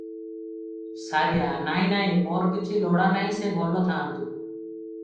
ସାରିଆ - ନାହିଁ ନାହିଁ, ମୋର କିଛି ଲୋଡ଼ା ନାହିଁ, ସେ ଭଲ ଥାଆନ୍ତୁ ।